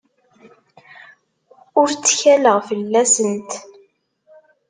Ur ttkaleɣ fell-asent.